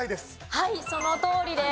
はいそのとおりです。